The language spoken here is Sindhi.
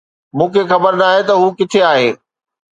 مون کي خبر ناهي ته هو ڪٿي آهي